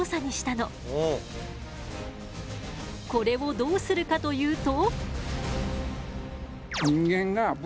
これをどうするかというと？